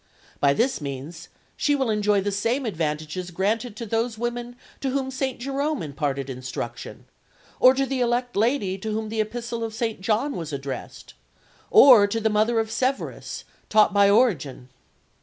By this means she will enjoy the same advantages granted to those women to whom St. Jerome imparted instruction, or to the elect lady to whom the epistle of St. John was addressed, or to the mother of Severus, taught by Origen.